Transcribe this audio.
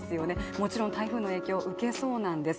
もちろん台風の影響を受けそうなんです。